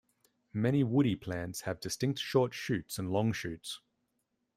Many woody plants have distinct short shoots and long shoots.